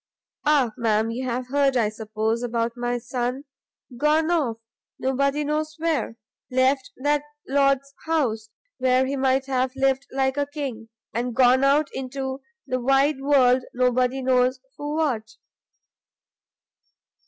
Ah, ma'am, you have heard, I suppose, about my son? gone off! nobody knows where! left that lord's house, where he might have lived like a king, and gone out into the wide world nobody knows for what!"